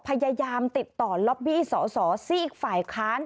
พยายามติดต่อล็อบบี้สอสอซีกฝ่ายค้าน